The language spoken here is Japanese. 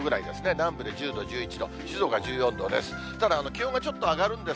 南部で１０度、１１度、静岡１４度です。